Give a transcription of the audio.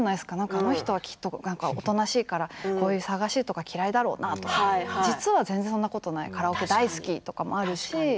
あの人はきっとおとなしいからこういう騒がしいところは嫌いだろうなとか実は全然そんなことないカラオケ大好きみたいなこともあるし